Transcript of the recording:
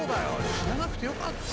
死ななくてよかったよ。